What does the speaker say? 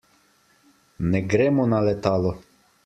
Ne gremo na letalo.